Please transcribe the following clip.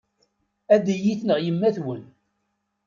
Ad iyi-tneɣ yemma-twen.